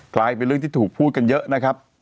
กลายเป็นเรื่องที่ถูกพูดกันเยอะนะครับ